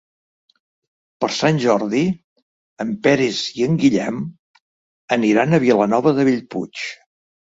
Per Sant Jordi en Peris i en Guillem aniran a Vilanova de Bellpuig.